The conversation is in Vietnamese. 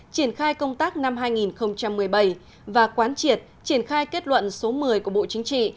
triển khai công tác năm hai nghìn một mươi bảy và quán triệt triển khai kết luận số một mươi của bộ chính trị